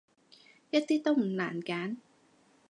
一啲都唔難揀